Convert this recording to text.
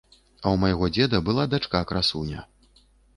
А ў майго дзеда была дачка красуня.